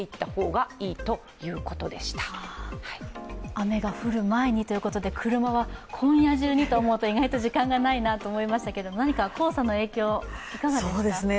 雨が降る前にということで車は今夜中にと思うと、意外と時間がないなと思いましたけど、何か黄砂の影響、いかがですか？